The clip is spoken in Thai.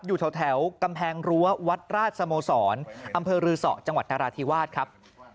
อยู่แถวกำแพงรั้ววัดราชสโมสรอำเภอรือสอจังหวัดนราธิวาสครับ